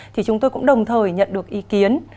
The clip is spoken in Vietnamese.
thì chúng tôi cũng đồng thời nhận được ý kiến